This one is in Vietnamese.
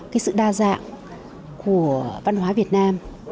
cái sự đa dạng của văn hóa việt nam